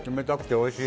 おいしい！